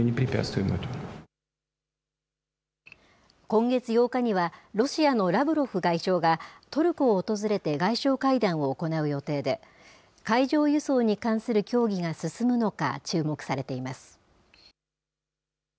今月８日には、ロシアのラブロフ外相がトルコを訪れて、外相会談を行う予定で、海上輸送に関する協議が進むのか、注目されています。